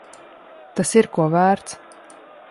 Tas ir ko vērts.